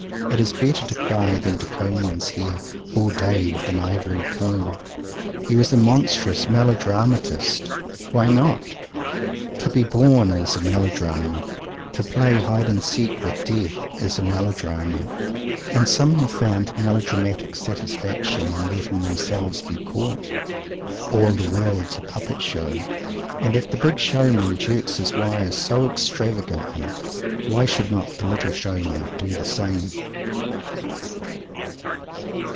It is better to cry than to comb one's hair all day with an ivory comb. He was a monstrous melodramatist. Why not? To be born is a melodrama. To play "hide and seek" with Death is a melodrama. And some have found melodramatic satisfaction in letting themselves be caught. All the World's a Puppet Show, and if the Big Showman jerks his wires so extravagantly, why should not the Little Showman do the same?